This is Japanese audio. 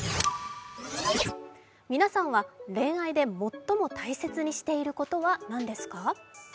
皆さんは恋愛で最も大切にしていることは何ですか？